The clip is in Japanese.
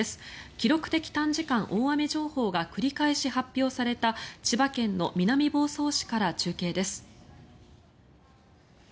記録的短時間大雨情報が繰り返し発表された千葉県の南房総市から中継です。